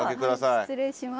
失礼します。